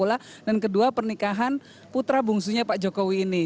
kedua pernikahan putra bungsunya pak jokowi ini